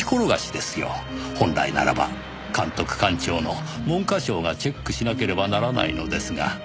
本来ならば監督官庁の文科省がチェックしなければならないのですが。